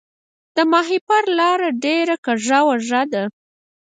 د ماهیپر لاره ډیره کږه وږه ده